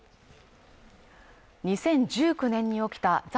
２０１９年に起きた在